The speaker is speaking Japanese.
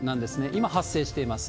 今発生しています。